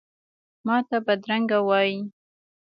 ماته بدرنګه وایې،